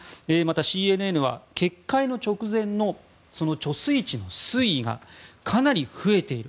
ＣＮＮは決壊の直前の貯水池の水位がかなり増えている。